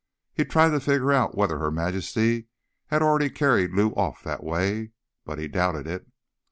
He tried to figure out whether Her Majesty had already carried Lou off that way—but he doubted it.